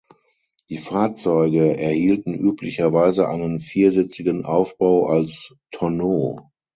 Die Fahrzeuge erhielten üblicherweise einen viersitzigen Aufbau als Tonneau.